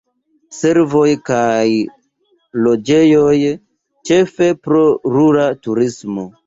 Servoj kaj loĝejoj, ĉefe pro rura turismo.